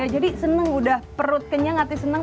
jadi senang udah perut kenyang hati senang